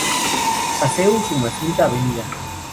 Paseo Usumacinta, Av.